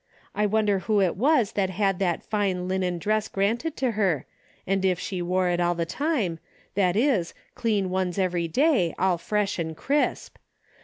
I wonder who it was that had that fine linen dress granted to her, and if she wore it all the time, that is, clean ones every day, all fresh and crisp